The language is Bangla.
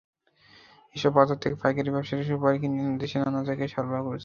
এসব বাজার থেকেও পাইকারি ব্যবসায়ীরা সুপারি কিনে দেশের নানা জায়গায়ে সরবরাহ করছেন।